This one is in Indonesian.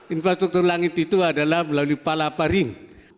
infrastruktur langit itu adalah melalui palaparing